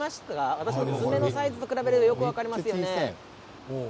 私の爪のサイズと比べるとよく分かると思います。